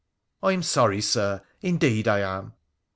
I am sorry, Sir! indeed I am